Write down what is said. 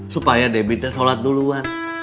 supaya debbie sholat duluan